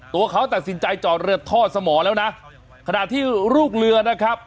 ตัวเขาตัดสินใจจอดเรือท่อสมอแล้วนะขณะที่ลูกเรือนะครับ